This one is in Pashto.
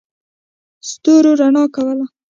ستورو رڼا کوله.